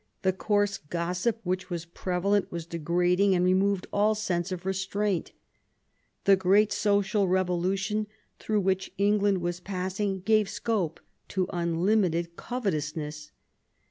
The coarse gossip which was pre valent was degrading and removed all sense of restraint. The great social revolution through which England was passing gave scope to unlimited covet ousness.